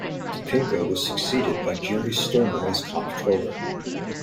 Topinka was succeeded by Jerry Stermer as comptroller.